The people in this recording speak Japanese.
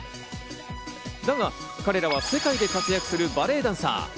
だが、彼らは世界で活躍するバレエダンサー。